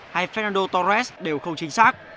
hay fernando torres đều không chính xác